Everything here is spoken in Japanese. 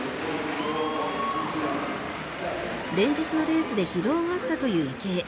連日のレースで疲労があったという池江。